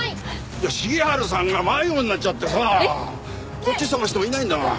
いや重治さんが迷子になっちゃってさこっち捜してもいないんだわ。